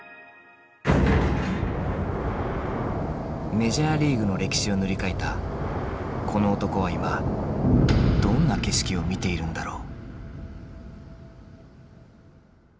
メジャーリーグの歴史を塗り替えたこの男は今どんな景色を見ているんだろう。